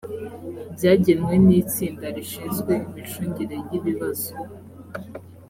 byagenwe n itsinda rishinzwe imicungire y ibibazo